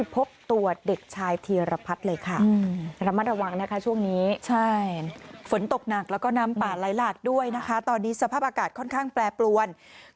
โปรดติดตามตอนต่อไป